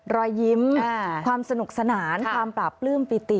รอยยิ้มความสนุกสนานความปราบปลื้มปิติ